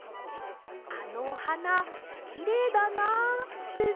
あのおはなきれいだなあです。